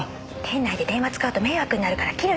店内で電話使うと迷惑になるから切るよ。